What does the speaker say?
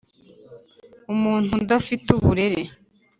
’umuntu udafite uburere,